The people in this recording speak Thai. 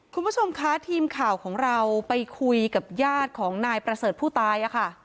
คุณผู้ชมคะทีมข่าวของเราไปคุยกับญาติของนายประเสริฐผู้ตายค่ะ